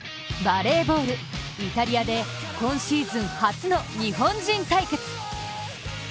バレーボール、イタリアで今シーズン初の日本人対決。